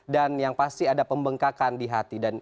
dan yang pasti ada pembengkakan di hati